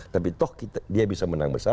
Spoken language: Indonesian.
tapi toh dia bisa menang besar